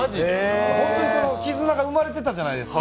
ホントに絆が生まれてたじゃないですか。